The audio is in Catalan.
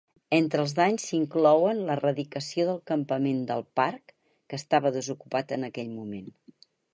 Entre els danys s'hi inclouen l'eradicació del campament del parc, que estava desocupat en aquell moment.